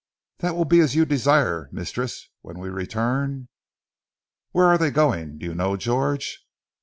"That will be as you desire, mistress. When we return " "Where are they going? Do you know, George?"